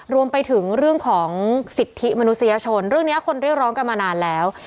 รวมไปถึงเรื่องของสิทธิมนุษยชนเรื่องนี้คนเรียกร้องกันมานานแล้ว